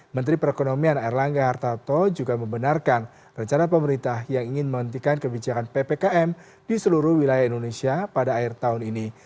menteri perekonomian erlangga hartarto juga membenarkan rencana pemerintah yang ingin menghentikan kebijakan ppkm di seluruh wilayah indonesia pada akhir tahun ini